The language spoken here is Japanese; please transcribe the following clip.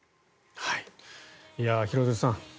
廣津留さん